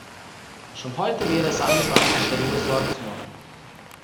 Schon heute wäre es angebracht sich darüber Sorgen zu machen.